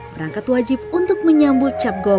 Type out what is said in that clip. berangkat wajib untuk menyambut cap gome